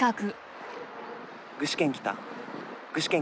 具志堅来た。